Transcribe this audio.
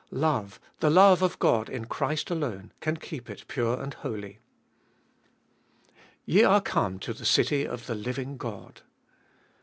Love, the love of God in Christ alone, can keep it pure and holy. Ye are come to the city of the living God.